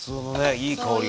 いい香りが。